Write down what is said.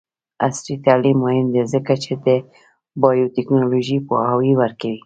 عصري تعلیم مهم دی ځکه چې د بایوټیکنالوژي پوهاوی ورکوي.